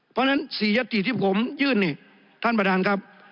เพราะฉะนั้น๔ยติที่ผมยื่นนี่ท่านประธานครับ